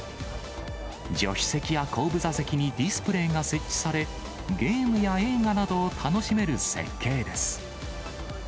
助手席や後部座席にディスプレーが設置され、ゲームや映画などを楽しめる設計です。